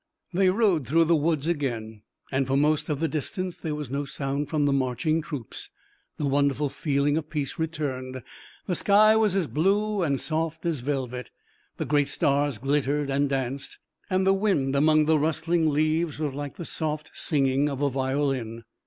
They rode through the woods again, and, for most of the distance, there was no sound from the marching troops. The wonderful feeling of peace returned. The sky was as blue and soft as velvet. The great stars glittered and danced, and the wind among the rustling leaves was like the soft singing of a violin.